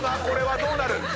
これはどうなる？